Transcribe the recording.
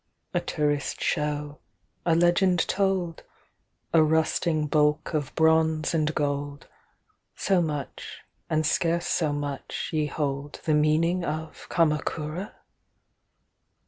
A tourist show, a legend told,A rusting bulk of bronze and gold, So much, and scarce so much, ye holdThe meaning of Kamakura?